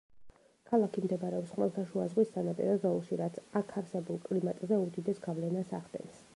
ქალაქი მდებარეობს ხმელთაშუა ზღვის სანაპირო ზოლში, რაც აქ არსებულ კლიმატზე უდიდეს გავლენას ახდენს.